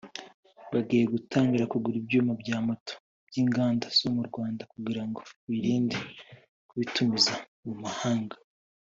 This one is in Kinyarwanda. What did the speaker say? bagiye gutangira kugura ibyuma bya moto by’inganda zo mu Rwanda kugira ngo birinde kubitumiza mu mahanga